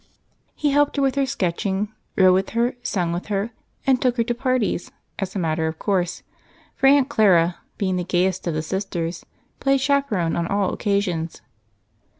He helped her with her sketching, rode with her, sang with her, and took her to parties as a matter of course, for Aunt Clara, being the gaiest of the sisters, played chaperon on all occasions.